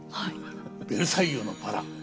「ベルサイユのばら」。